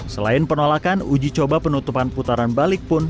selain penolakan uji coba penutupan putaran balik pun